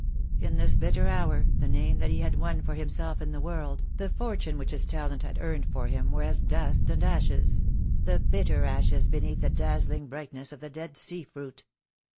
In this bitter hour the name that he had won for himself in the world, the fortune which his talent had earned for him were as dust and ashes — the bitter ashes beneath the dazzling brightness of the dead sea fruit.